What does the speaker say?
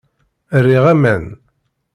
Riɣ aman.